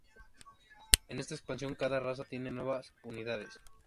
En esta expansión cada raza tiene nuevas unidades.